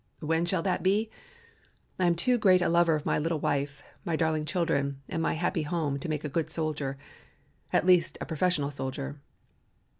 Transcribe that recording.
When shall that be? I am too great a lover of my little wife, my darling children, and my happy home to make a good soldier, at least a professional soldier.